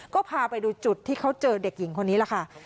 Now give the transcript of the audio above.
ก็พาไปดูจุดที่เขาเจอเด็กหญิงคนนี้แหละค่ะ